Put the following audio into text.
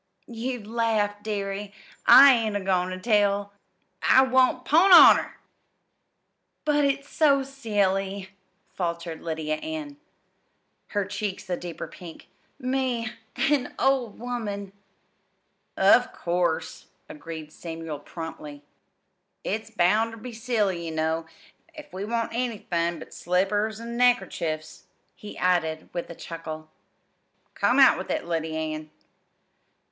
"You'd laugh, dearie. I ain't a goin' ter tell." "I won't 'pon honor!" "But it's so silly," faltered Lydia Ann, her cheeks a deeper pink. "Me an old woman!" "Of course," agreed Samuel promptly. "It's bound ter be silly, ye know, if we want anythin' but slippers an' neckerchiefs," he added with a chuckle. "Come out with it, Lyddy Ann."